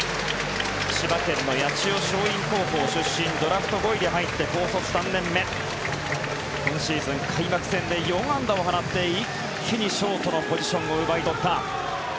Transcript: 千葉県の八千代松陰高校出身ドラフト５位で入って高卒３年目今シーズン開幕戦で４安打を放って一気にショートのポジションを奪い取った。